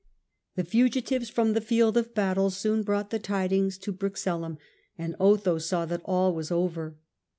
The fugitives from the field of battle soon brought the tidings to Brixellum, and Otho saw that all was over.